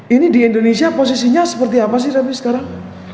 ini di indonesia posisinya seperti apa sih tapi sekarang